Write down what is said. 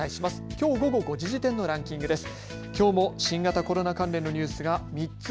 きょう午後５時時点のランキングです。